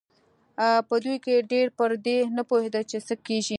په دوی کې ډېر پر دې نه پوهېدل چې څه کېږي.